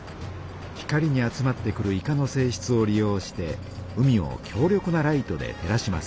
光に集まってくるイカのせいしつを利用して海を強力なライトで照らします。